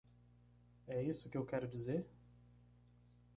É isso que eu quero dizer?